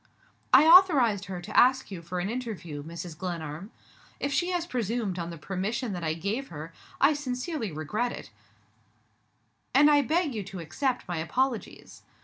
"I authorized her to ask you for an interview, Mrs. Glenarm. If she has presumed on the permission that I gave her, I sincerely regret it, and I beg you to accept my apologies.